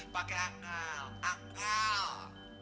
pakai akal akal